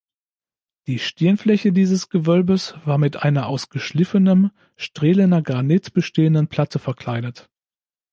Die Stirnfläche dieses Gewölbes war mit einer aus geschliffenem Strehlener Granit bestehenden Platte verkleidet.